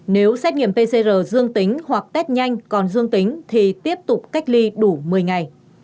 nếu xét nghiệm pcr dương tính hoặc test nhanh còn dương tính thì tiếp tục cách ly đủ một mươi ngày